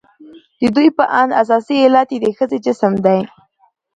د ددوى په اند اساسي علت يې د ښځې جسم دى.